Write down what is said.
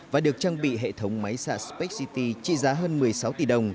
và được trang bị hệ thống máy xạ spexity trị giá hơn một mươi sáu tỷ đồng